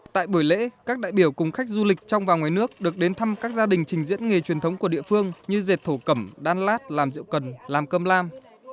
tại buổi lễ các đại biểu cùng khách du lịch trong và ngoài nước được đến thăm các gia đình trình diễn nghề truyền thống của địa phương như dệt thổ cẩm đan lát làm rượu cần làm cơm lam